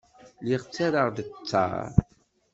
Lliɣ ttarraɣ-d ttaṛ.